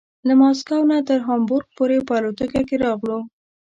له مسکو نه تر هامبورګ پورې په الوتکه کې راغلو.